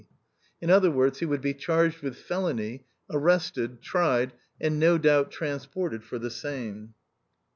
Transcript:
In other words, he would be charged with felony, arrested, tried, and no doubt trans ported for the same.